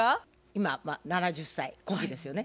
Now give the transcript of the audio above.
今７０歳古希ですよね。